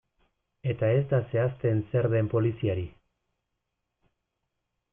Eta ez da zehazten zer den poliziari.